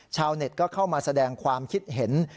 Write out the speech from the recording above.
ชาวเน็ตก็เข้ามาแสดงความคิดเห็น